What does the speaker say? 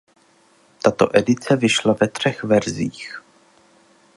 Tato edice vyšla ve třech verzích.